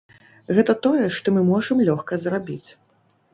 Гэта тое, што мы можам лёгка зрабіць.